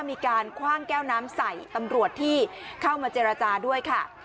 มีการคว่างแก้วน้ำใส่ตำรวจที่เข้ามาเจรจาด้วยค่ะ